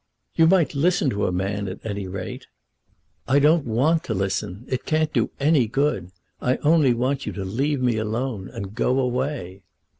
"You might listen to a man, at any rate." "I don't want to listen. It can't do any good. I only want you to leave me alone, and go away."